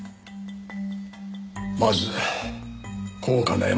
まず高価な絵巻を。